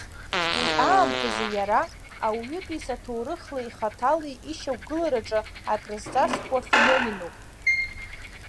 Уи аамҭазы иара, ауаҩытәыҩса ҭоурыхлеи хаҭалеи ишьақәгылараҿы акрызҵазкуа феноменуп.